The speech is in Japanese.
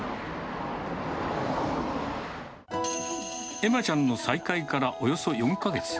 えまちゃんの再会からおよそ４か月。